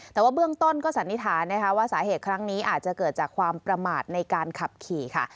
แต่ว่าเบื้องต้นก็สันนิษฐานนะคะว่าสาเหตุครั้งนี้อาจจะเกิดจากความประมาทในการขับขี่ค่ะ